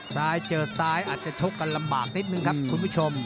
ซ้ายเจอซ้ายอาจจะชกกันลำบากนิดนึงครับคุณผู้ชม